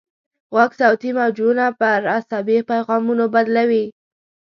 غوږ صوتي موجونه پر عصبي پیغامونو بدلوي.